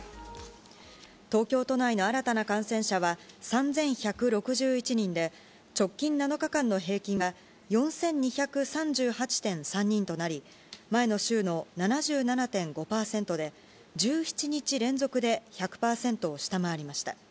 東京都内の新たな感染者は３１６１人で、直近７日間の平均は４２３８．３人となり、前の週の７７．５％で、１７日連続で１００％を下回りました。